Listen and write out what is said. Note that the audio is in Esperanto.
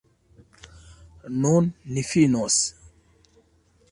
Nun ni finos.